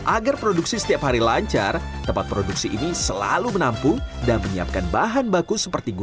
agar produksi setiap hari lancar tempat produksi ini selalu menampung dan menyiapkan bahan baku seperti gula